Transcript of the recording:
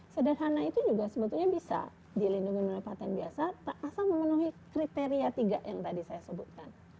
sederhana itu juga sebetulnya bisa dilindungi oleh patent biasa tak asal memenuhi kriteria tiga yang tadi saya sebutkan